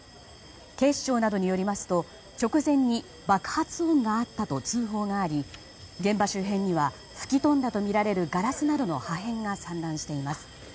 警視庁などによりますと直前に爆発音があったと通報があり現場周辺には吹き飛んだとみられるガラスなどの破片が散乱しています。